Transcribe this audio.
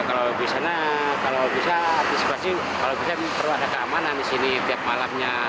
ya kalau bisa kalau bisa kalau bisa perlu ada keamanan di sini tiap malamnya